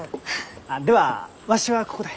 あっではわしはここで。